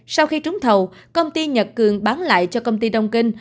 sau khi trúng thầu công ty nhật cường bán lại cho công ty đông kinh